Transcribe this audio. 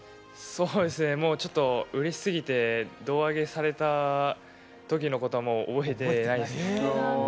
もうちょっと嬉しすぎて、胴上げされた時のことは覚えてないですね。